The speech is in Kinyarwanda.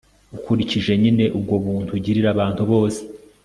ukurikije nyine ubwo buntu ugirira abantu bose